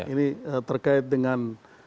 ini terkait dengan